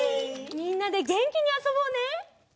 みんなでげんきにあそぼうね！